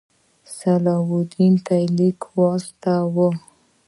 صلاح الدین ته یې لیک واستاوه.